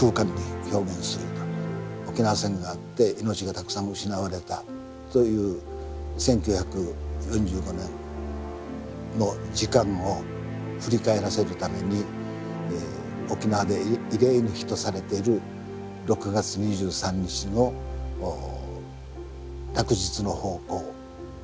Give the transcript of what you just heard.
沖縄戦があって命がたくさん失われたそういう１９４５年の時間を振り返らせるために沖縄で慰霊の日とされている６月２３日の落日の方向と軸線を合わせるという。